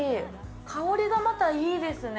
香りが、またいいですね。